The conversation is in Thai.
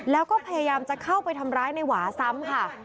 แล้วก็พยายามจะเข้าไปทำร้ายในหวาซ้ำค่ะ